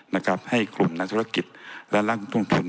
ในธุรกิจและร่างลงทุน